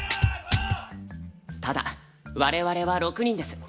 ただ我々は６人です。